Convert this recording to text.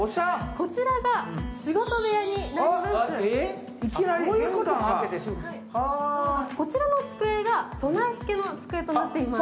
こちらが仕事部屋になります。